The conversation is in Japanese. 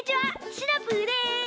シナプーです。